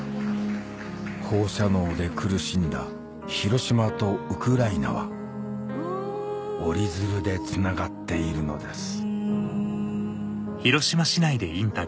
放射能で苦しんだ広島とウクライナは折り鶴でつながっているのです